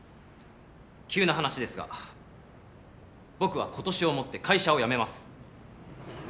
急な話ですが僕は今年をもって会社を辞めます。